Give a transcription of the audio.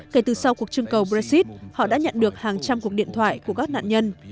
kể từ sau cuộc trưng cầu brexit họ đã nhận được hàng trăm cuộc điện thoại của các nạn nhân